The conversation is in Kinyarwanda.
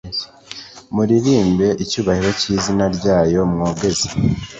muririmbe icyubahiro cy izina ryayo mwogeze